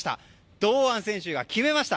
堂安選手が決めました。